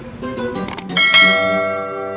gak ada wak